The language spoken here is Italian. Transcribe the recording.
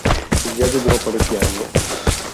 Il viaggio durò parecchi anni.